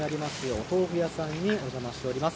お豆腐屋さんにお邪魔しております。